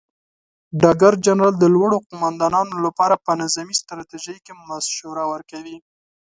ډګر جنرال د لوړو قوماندانانو لپاره په نظامي ستراتیژۍ کې مشوره ورکوي.